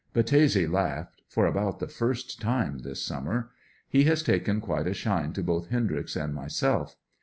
Baltese laughed, for about the first time this summer He has taken quite a shine to both Hendryx and myself.